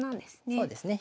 そうですね。